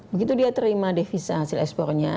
begitu dia terima devisa hasil ekspornya